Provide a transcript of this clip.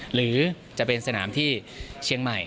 หรือจะเป็นสนามที่เชียงใหม่